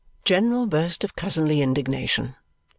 General burst of cousinly indignation.